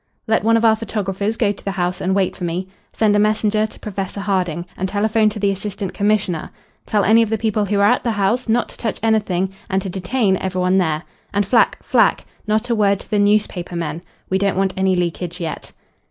Let one of our photographers go to the house and wait for me. Send a messenger to Professor Harding, and telephone to the assistant commissioner. Tell any of the people who are at the house not to touch anything and to detain every one there. And Flack Flack. Not a word to the newspaper men. We don't want any leakage yet."